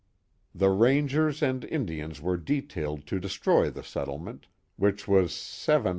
The rangers and Indians were detailed to destroy the settlement, which was seven